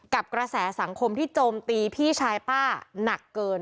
กระแสสังคมที่โจมตีพี่ชายป้าหนักเกิน